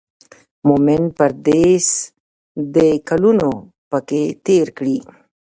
مومن پردېس دی کلونه به پکې تېر کړي.